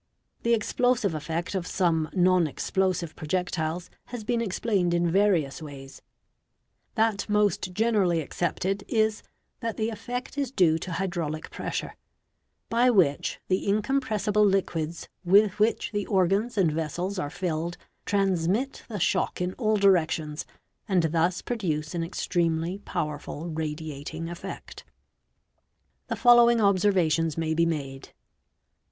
The explosive effect of some non explosive projectil $ has been explained in various ways. That most generally accepted is that the effect is due to hydraulic pressure ; by which the incompressible liquids with which the organs and vessels are filled transmit the shock in all directions and thus produce an extremely powerful radiating effect The following observations may be made.